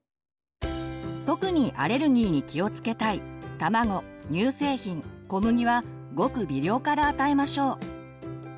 特にアレルギーに気をつけたい卵乳製品小麦はごく微量から与えましょう。